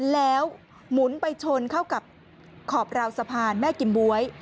แล้วหมุนไปชนเข้ากับขอบราวสะพานแม่กิมบ๊วย